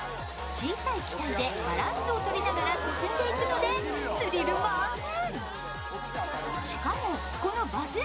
小さい機体でバランスを取りながら進んでいくのでスリル満点。